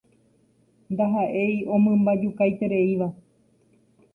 Ndahaʼéi omymbajukaitereíva.